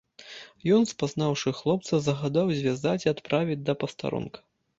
Ён, спазнаўшы хлопца, загадаў звязаць і адправіць да пастарунка.